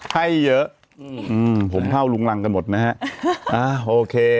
ให้เยอะอืมผมเท่าลุงรังกันหมดนะฮะอ่าโอเค